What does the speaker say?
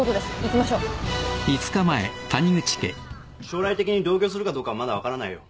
将来的に同居するかどうかまだ分からないよ。